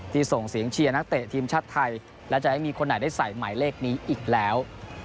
ส่งเสียงเชียร์นักเตะทีมชาติไทยและจะให้มีคนไหนได้ใส่หมายเลขนี้อีกแล้ว